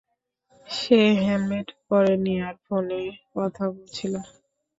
সে helmet পরেনি আর ফোনে কথা বলছিল।